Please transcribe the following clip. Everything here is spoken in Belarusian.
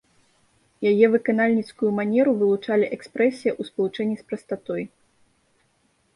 Яе выканальніцкую манеру вылучалі экспрэсія ў спалучэнні з прастатой.